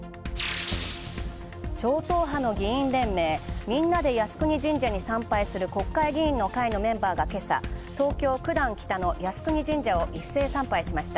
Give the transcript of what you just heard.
超党派の議員連盟、みんなで靖国神社に参拝する国会議員の会のメンバーがけさ東京、九段北の靖国神社を一斉参拝しました。